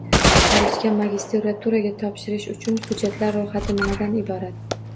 Xorijga magistraturaga topshirish uchun hujjatlar ro'yxati nimalardan iborat?